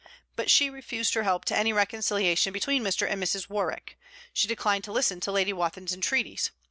But she refused her help to any reconciliation between Mr. and Mrs. Warwick. She declined to listen to Lady Wathin's entreaties.